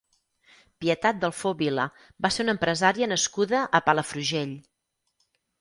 Pietat Dalfó Vila va ser una empresària nascuda a Palafrugell.